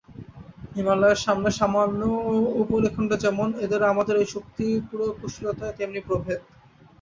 হিমালয়ের সামনে সামান্য উপলখণ্ড যেমন, ওদের ও আমাদের ঐ শক্তি- প্রয়োগকুশলতায় তেমনি প্রভেদ।